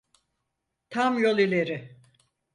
Tam yol ileri!